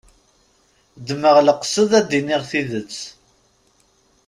Ddmeɣ leqsed ad d-iniɣ tidet.